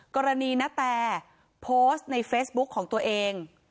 ณแตโพสต์ในเฟซบุ๊คของตัวเอง